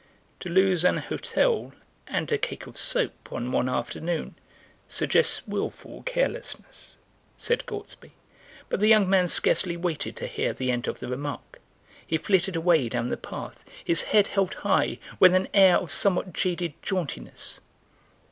"To lose an hotel and a cake of soap on one afternoon suggests wilful carelessness," said Gortsby, but the young man scarcely waited to hear the end of the remark. He flitted away down the path, his head held high, with an air of somewhat jaded jauntiness.